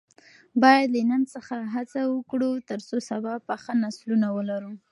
باید له نن څخه هڅه وکړو ترڅو سبا پاخه نسلونه ولرو.